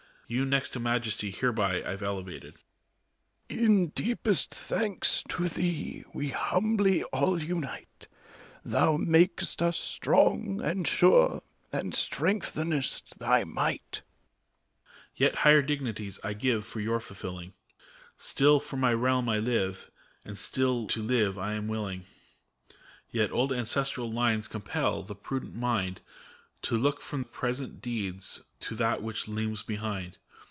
You next to Majesty hereby Pve elevated. ARCHBISHOP. In deepest thanks to thee we humbly all unite : Thou mak'st us strong and sure, and strengthenest thy might. BHFEROB. Yet higher dignities I give for your fulfilling. Still for my realm I live, and still to live am willing; Yet old ancestral lines compel the prudent mind To look from present deeds to that which looms behind.